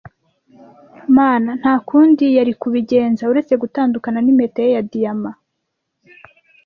Mama nta kundi yari kubigenza uretse gutandukana n'impeta ye ya diyama.